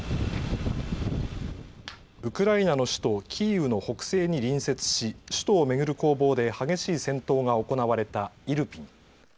ウクライナの首都キーウの北西に隣接し、首都を巡る攻防で激しい戦闘が行われたイルピン。